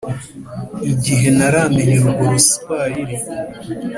Igihe ntaramenya urwo ruswayire